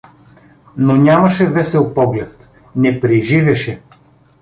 Но нямаше весел поглед, не преживяше.